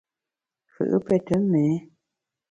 Fù’ pète méé.